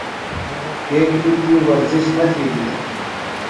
کیکیۡ تی ورزش نہ تِھیلیۡ دےۡ۔